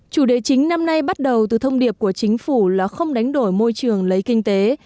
chủ đề chính năm nay bắt đầu từ thông điệp của chính phủ là không đánh đổi môi trường lấy kinh tế